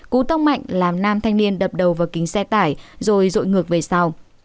cú tông mạnh làm nam thanh niên đập đầu vào kính xe tải rồi rội ngược về sau